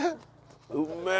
うめえ！